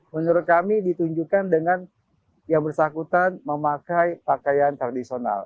menurut kami ditunjukkan dengan yang bersangkutan memakai pakaian tradisional